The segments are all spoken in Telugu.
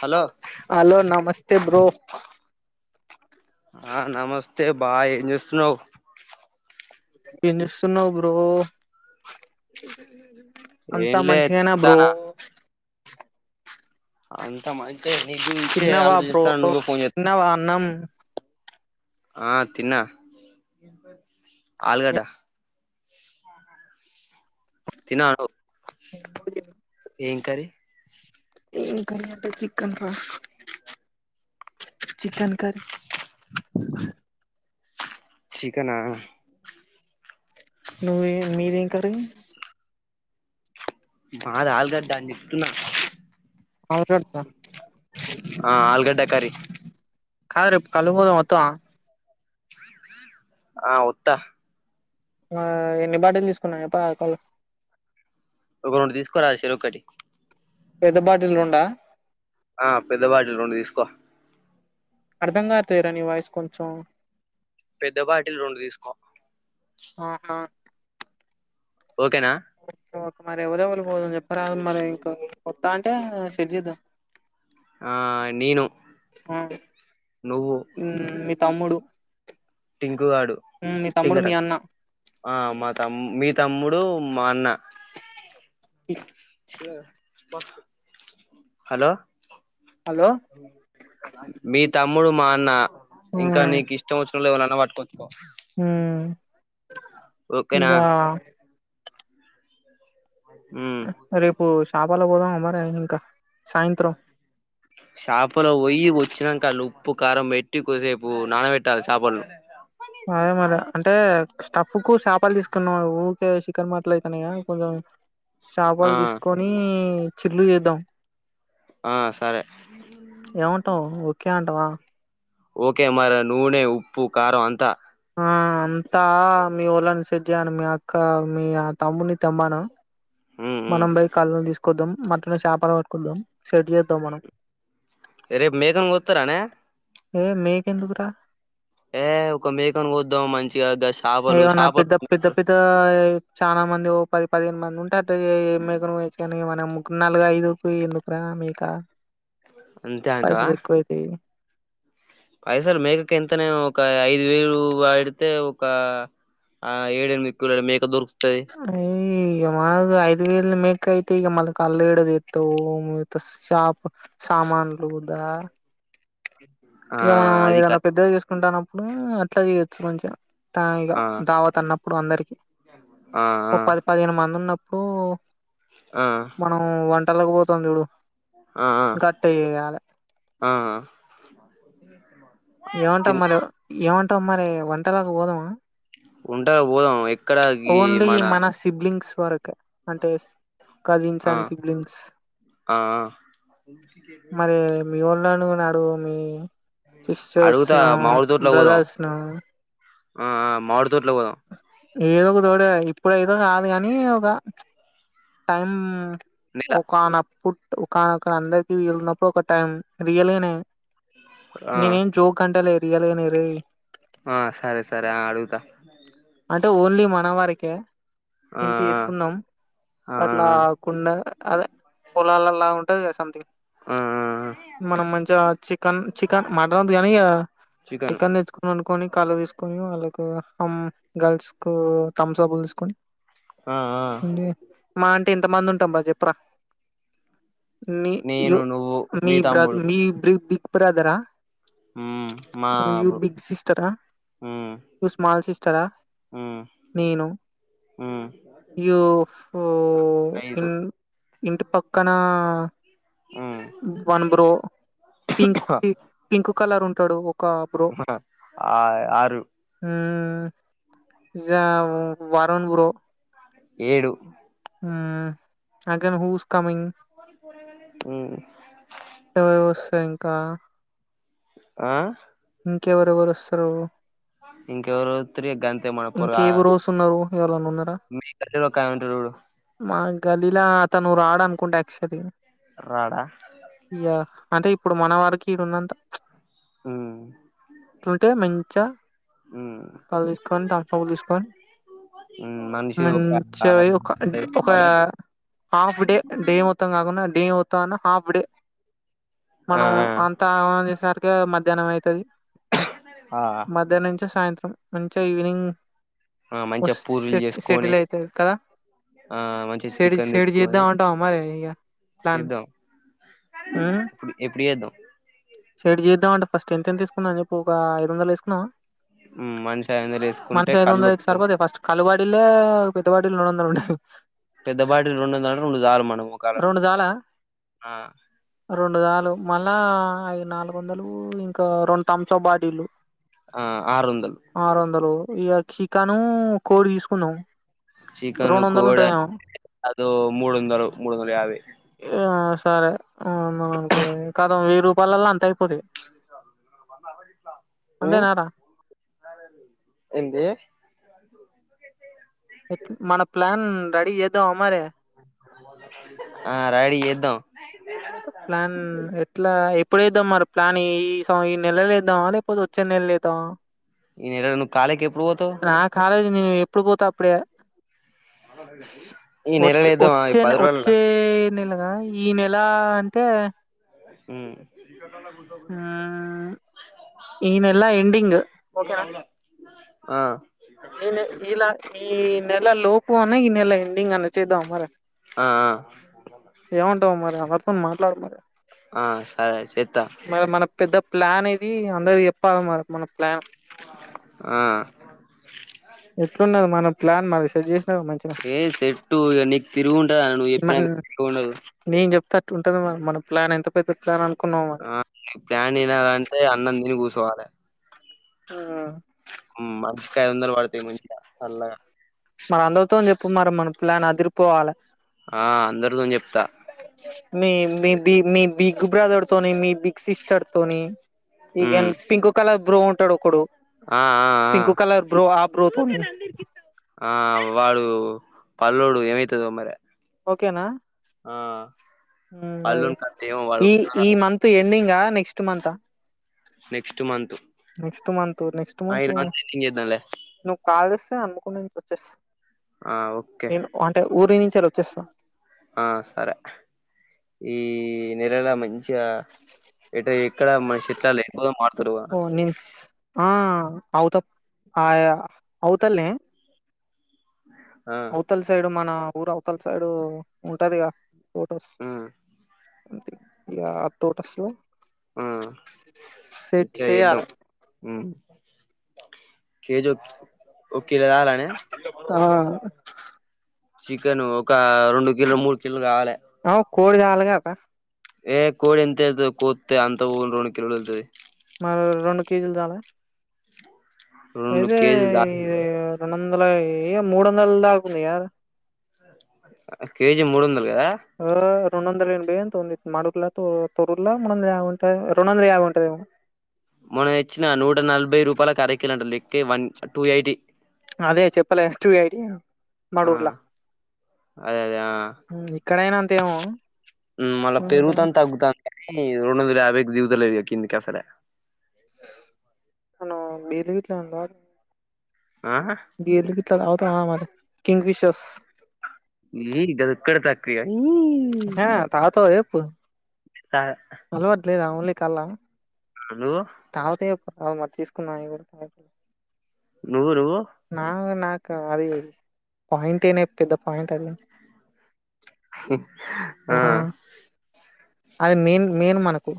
హలో హలో నమస్తే బ్రో ఆ నమస్తే బాయ్ ఏ చేస్తుినవు పన్స్న బ్రో అంతా ఏంలే మంచిగాైనా బ్రో తింటానా అంత అయితే నీజ ఇే తిన్నావా బ్రో ఆలోచిస్తా నువ్వే ఫోన్ చేస్తా తిన్నావా అన్నం ఆ తిన్నా ఆల్గడ్డ తినను ఏంకారి ఏ కనీట చికెన్ ఫ చికెన్ కర్ ికనా నవి మీరింగ్ కర బా రాలగడా అని చెప్తున్నా అవుడ్ స ఆ ఆల్గడ్డ కారి కాదీ కలుపోోదు మొత్త ఆ ఉత్తా ఆ ఎన్ని బాటలు తీసుకున్నా పాళ ఒక రెండు తీసుకోరాలి చెరు ఒకటి పెద్ద బాటిలుండా ఆ పెద్దవాటి ర ఉండి తీసుకో అర్ధంంగాలేరా నీ వాయిస్ కొంచెం పెద్దపాటీలు రెండు తీసుకో ఆహా ఓకేనా ఇం మరి ఎవరెవరు పోని చెప్పరా మరి ఇంకా కొొత్తా అంటే షర్ చేద్దాం ఆ నేను ఆ నువ్వు మీ తమ్ముడు టింకుగాడు ఉమ్ మీ తమ్ముడు మీ టింకరాజ అన్న ఆ మా త మీ తమ్ముడు మాన్న హలో హలో మీ తమ్ముడు మా అన్న ఆ ఇంకా నీకు ఇష్టం వచ్చ ఎవైన్నా పట్కోవచ్చుకో హ ఓకేనా ఇకా ఉమ్ రేపు శాపలో పోదాం అమ్ మరి ఇంకా సాయంత్రం షాపలో వ్యి వచ్చినాక లుప్పు కారం మెట్టి కొసేపుూ నాన వెట్టాలి సాపడ అదే మరి అంటే స్టఫ్ కు చేాపాలు తీసుకున్నాం ఊరికే చికన్ మాటలు అయితున్నాయా కొంచెం ఆ చాపాలు తీసుకని చిల్లు చేద్దాం ఆ సరే ఏమంటావు ఒకే అంటావా ఓకే మరి నూనె ఉప్పు ఖారం అంత ఆ అంతా మీ ఓళని సజను మీ అక్క మీ తమ్ముని తెమ్మాను ఉమ్ ఉమ్ మనంపైై కాళ్ళని తీసుకొద్దాం మటును చేాపర పట్టుకుొద్దాం షెటి చేద్దాం మనం రేపు మేకం కొత్తరనే ఏ మేక్ ఎందుకు ర ఏ ఒక మేకను కోద్దాం మంచిగా గ చాపలు ఏమన్నా పెద్ద చాపలు పెద్ద పెద్ద చాలా మంది ఓ పది పదిహేను మంది ఉంటారు ఏ మేకు వ మన ము నాలుగగు ఐదుకి ఎందుకురా మేకా అంతే అంటావా పైసలు ఎక్కువైతే పైసలు మేకక ఎంతనే ఒక ఐదు వేలు వాడితే ఒక ఆ ఏడ మేక దొరుకు ఏ అ ఐదు వేల మెకా తు ఇగ కాలే డద దత మ త చాపు సామాన్లుదా ఆ ఇక మనం అది క ఏదనా పెద్దగా చేసుకుంటాన్నప్పుడు అట్లా చేయొచ్చు మంచెం ఇక ఆ దావత అన్నప్పుడు అందరికి ఆ ఓ పది పదిహేను మంది ఉన్న సో ఆ మనం వంటక పోతుంది ఇూడు ఆ ఆ గట్ కాద ఆ తి ఏమంటావు మరో ఏమంటావు మరి వంటలాకు పోదాము ఉంటా పోదాం ఎక్కడ ఈ ఓన్లీ మన సిబ్లింగ్స్ వరకే అంటే కజిన్స్ అండ్ సిబ్లింగ్స్ ఆ ఆ ఇనుడు మీ సిస్టర్స్ అడుగుతా ను మామిడి తోట్లో పోదాం బ్రదర్స్ ను ఆ మాడు తోట్లో పోదాం ఏదో ఒక తోడ ఇప్పుడు ఏదో కాదు కాని ఒక టైం నెల ఒకనప్పుట్ ఒకన అందరికి వీళన్నప్పుడు ఒక టైం రియలేనే ఆ నీనేేం జో కంటల ఎరియాాలనిరే ఆ సరే సరే ఆ అడుగుతా అంటే ఓన్లీ మన వారికే ఆ ఇంత తీసుకున్నాాం ఆ ఆ అట్లాకుడా అదే పొలాలలా ఉంటది కదా సంథింగ్ ఆ ఆ మనం మంచిగా చికెన్ చికెన్ మటన్ ఓధు కానీ ఇక చికెన్ తెేర్చ్చుకున్నా తీకని కళ్ళు తీసుకొని వాళ్ళకు హమ్ గర్ల్స్ కు థమ్స్ అప్లు తీసుకొని ఆ ఆ ఉ మా అంటే ఎంత మంది ఉంటాం బ చెప్పరా మీ నేను నువ్వు మీ బ తమ్ముడు మీ్రి దిక్బ్రాదరా మ్మ్ మా యూ బు బిగ్ సిస్టర్ మ్మ్ స్మల్ సిస్ మ్మ్ నేను మ్మ్ ఇయ్యో ఇ ఐదు ఇంటి పక్కన మ్మ్ one bro pink pink colour ఉంటాడు ఒక బ్రో ఆ ఆరు వారన్ బ ఏడు అగెన్ హూస్ కమింగ్ ఉ తంకా ఆ ఇంకెవరెవరు వస్తారు ఇక త గంతి మన ఇంకే పర్గా బ్రోస్ ఉన్నారు ఎవరన్నా ఉన్నారా మీ కట్టంట జోడు గలీలా అ తను రాడ అనుకుంటే యాక్చువలీ రడా అంటే ఇప్పుడు మన వారికి ఇడున్నంత ప్చ్ హ్మ్ చ్చ కాలిస్ఖన్ తలిస్ఖన్ ఉమ్ మనిషి ఒక మంచి గ పోయి ఒక ఒక వేసుకోవాలి హాఫ్ డే డే మొత్తం కాకుండ డే మొత్తం అన్న హాఫ్ డే ఆ మనం అంతాంచేసరికి మధ్యాహ్నం ఐతది ఆ మధ్యాహ్న నుంచ సాయంత్రం మంచిగ ఈవినింగ్ ఆ మంచిగా ఓస్ సే పూరీలు చేసుకొని సెటిల్ అయితే కదా ఆ మంచి సెడ్ చికెన్ సెడ్ తెచ్చుకొని చేద్దాం అంటావా మరి ఇగ ప్లాన్ చేద్దాం ఎప్పుడ్ ఎద్దం సైడ్ చేద్దాం అంటే ఫస్ట్ ఎంత ఎంత తీసుకుందా అని చెప్పి ఒక ఐదు వందలు వేసుకున్నామా ఉమ్ మనిషి ఐదు వందలు వేసుకుంటే మనుష ఐద కళ్ళు వంద ఐదు స వత్తది రూపాయి అది ఫస్ట్ కలుబటిలే పెద్దవాడి మూడ్ వందల్ ఉంటది పెద్ద బాటిల్ రెండు వందలు అంటే రెండు చాలు మన మోకాళ్ళకు రొండు చాల ఆ రొండు గాలు మళ్ళా అది నాలుగు వందలు ఇంకా రెండు థంబ్స్ అప్ బాటిలు ఆ ఆరొందల్ ఇగ చికాను కోడి తీసుకున్నాం చికెన్ కోడ అ మూడుందలు మూడోన్దల యాబై ఆ సరే అనుకో కదా వెయ్యి రూపాయలలో అంత అయిపోతయి హ్మ్ ఎంది మన ప్లాన్ రెడీ చేద్దమా మరి ఆ రెడీ చేద్దాం ప్లాన్ ఎట్ల ఎ ఇప్పుడేద్దాం మరి ప్లాన్ ఏఈ ఈ నెల లేద్దాం లేకపోతే వచ్చే నెల లేదామా ఈ నెల నువ్వు కాలేకి ఎప్పుడు పోతావు నా కాలేజీ నేను ఎప్పుడు పోతే అప్పుడే ఈ నెలల వచ్ ఏద్దామా ఈ ఓచ్చే పది రోజులల్ల ఓచ్చే నెలుగా ఈ నెల అంటే హ్మ్ ఈనెల ఎండింగ్ ఒకే నా ఆ ఇ ఇలా ఈ నెలా లోపూ అన్న ఈ నెల ఎండింగ్ అన్న చేద్దమ మరి ఆ ఏమంటావు మరి ఆ పాప తో మాట్లాడ మరి ఆ సరే చెత్త మరి మన పెద్ద ప్లాన్ ఎది అందరు చెప్పాలి మరి మన ప్లాన్ ఆ ఎట్లున్నది మన ప్లాన్ మది సెజెస్ మంచిగ ఏ సెట్టు ఇగ నీకు తిరుగుంటది అన్న నువ్వు న చెప్పినాక తిరుగుండదు నిన్ చెప్త ఉంటది మరీ మన ప్లాన్ ఎంత పెద్ద ప్లాన్ అనుకున్నావు మరి ఆ నీ ప్లాన్ వినాలంటే అన్నం తిని కూర్చోవాలే ఆ హ్మ్ మనిషికి ఐదు వందలు పడతాయి మంచిగ చల్లగ మరి అందరితో చెప్ మరి మన ప్లాన్ అదిరిపోవాలే ఆ అందరితో చెప్త మీ మీ బి మీ బిగ్ బ్రదర్ తోని మీ బిగ్ సిస్టర్ తోని ఈగేన్ ఉమ్ పింకు కలర్ బ్రో ఉంటాడు కొడు ఆ ఆ పింకు ఆ కలర్ బ్రో ఆ బ్రో తోనీ ఆ వాడు పల్ల్లోడు ఏమైతదో మరి ఓకేనా ఆ ఉ మరి పల్లోని కథ ఏమో వాడు ఈ వత్తడో ఈ రాడో మంత్ ఎండింగ్ నెక్స్ట్ మంతా next month next month next ఆ ఈ మంత్ ఎండింగ్ చేద్దాంలే నువ్వు కాల్ చేస్తే అనుకునేంచి వచ్చేస్తా ఆ ఓకే నేను అంటే ఊరి నుంచిలా వచ్చేస్తా ఆ సరే ఈ నెలల మన్ చ ఎటు ఇక్కడ మన చెట్లాలు ఎక్కుపోదో మారుతారు క ఓ నేను ఆ అవుత ఆ అవుతల్నె అవతల సైడు మన ఊరు అవతల సైడు ఉంటదిగా తోటస్ ఉమ్ ఎహ్ తోటస్ లో ఆ సెట్ ట్రై ఏద్దాం చేయాలి ఉమ్ కేజీ ఓకే ఆ చికెన్ ఒక రెండు కిలు మూడు కిలో కావాలి అవు కోడి చాలు కదా ఏ కోడి ఎంత అయితది కోత్తే అంత పొన్ రెండు కిలోలు వత్తది మళ్ళ రెండు కేజీలు చాల రెండు ఇది కేజీ దా ఇది రెండ వందల ఏయ మూడొందలదాకుంది కద కేజీ మూడొందలు ఆ రెండు వందలు బియెతంది మడులతు తొరురల మంద ఉంటయా రెండు వందల యాభైఉంటదెమో మొన తెచ్చిన నూట నలభై రూపాయలకి అరకిలంట లెక్క వన్ టూ ఎయిటీ అదే చెప్పలే టూ ఎయిటీ ఆ మనూర్ల అదే అదే ఆ అంతేమో ఉ మళ్ళ పెరుగుతాం మనం తగ్గుతాం ఇరెండొందల యాభైకి దిగుతలె కద కిందికి అసలే మనం బీర్లు గిట్లా తాగం ఆ బీర్లు గిట్ల తాగుదామా మరి కింగ్ ఫిషర్స్ ఈది అది ఒక్కటి తక్కువ ఈ ఏ తాగుతావా చెప్పు అలవాటు లేదా ఓన్లీ కల్లా నువ్వు తాగితే చెప్పు మరి తీసుకున్నాయిత నువ్వు నువ్వు ఇ అది పాయింట్ నే పెద్ద పాయింట్ అది ఆ అది మెయిన్ మెయిన్ మనకు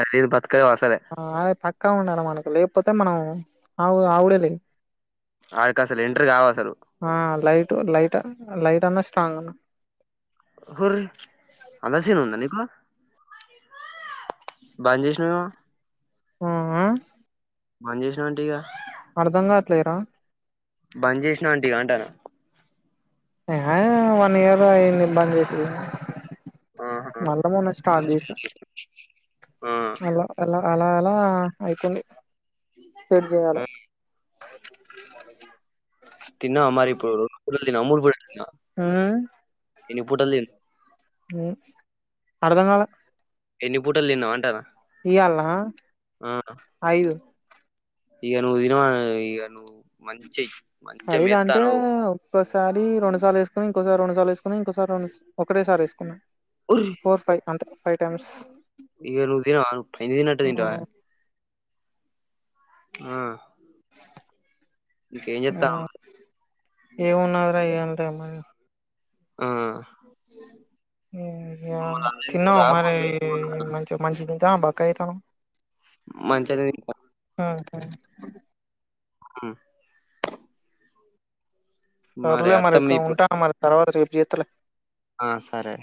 అది లేకపోతే బతకలే అసలే పక్క ఉండాలి మనకు లేకపోతే మనం ఆవు ఆవుడే లే ఆడకి అసలు ఎంట్ర కావు అసలు ఆ లైట్ లైట్ అన్న స్ట్రాంగ్ అన్నా హుర్‌ అంత సీన్ ఉందా నీకు బంద్‌ చేసినవేమో ఉహు బంద్ చేసినవేంట ఇగ లేరా బంద్ చేసినా ఏంటి ఇగ అంటనా వన్ ఇయర్ అయింది బంద్‌ చేసి ఆహా నలబై వేలస్టార్ట్ చేసా ఆ అలా అలా అలా అలా అయితుంది సేట్‌చేయాలె తిన్నావ మరి ఇప్పుడు మురుకుల్ తిన మురుకుల్ తిన్న ఆ ఎన్ని పూటల్‌ తిన్ అర్ధం గాలే ఎన్ని పూటలు తిన్నావు అంటానా ఇయల్నా ఐదు ఈగ నువ్వు దినమా ఈ నువ్వు మంచి అదిద అంటే ఒక్కసారి రెండుసార్లు వేసుకొని ఇంకోసారి రెండు సార్లు వేస్ వేసుకున్నా ఇంకోసారి ఒకటేసారి వేసుకున్నాం ఫోర్ ఫైవ్ అంతే ఫైవ్ టైమ్స్ ఇక నుదిన పనిదినట్ట నింట ఆ ఇంకేం ఆ ఏవున్నాదరా ఏమ ఆ తిన్నావ ఆ మరి మంచి మంచి ఆ బక్కగయతనవ్ మంచిగ అనే సర ఉ త్వరలే మరి ఇంక అత్తమ్మ ఇప్పుడు ఉంటాను మరి తర్వాత రేపు జీత్తలే ఆ సరే